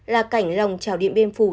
là cảnh lòng trào điện biên phủ